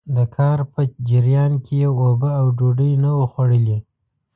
د کار په جريان کې يې اوبه او ډوډۍ نه وو خوړلي.